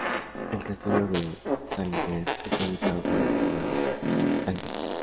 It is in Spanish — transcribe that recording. El Castillo de Zähringen está ubicado por encima de Zähringen.